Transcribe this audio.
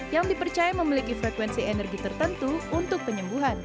yang dipercaya memiliki frekuensi energi tertentu untuk penyembuhan